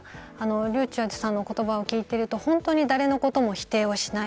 ｒｙｕｃｈｅｌｌさんの言葉を聞いていると本当に誰のことも否定をしない